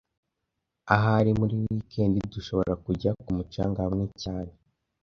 Ahari muri wikendi dushobora kujya ku mucanga hamwe cyane